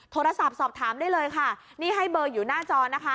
โทรศัพท์สอบถามได้เลยค่ะนี่ให้เบอร์อยู่หน้าจอนะคะ